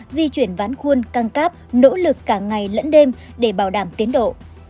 di chuyển ván khuôn căng cáp nỗ lực cả ngày lẫn đêm để bảo đảm tiến độ